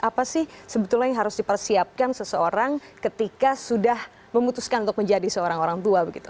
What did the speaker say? apa sih sebetulnya yang harus dipersiapkan seseorang ketika sudah memutuskan untuk menjadi seorang orang tua begitu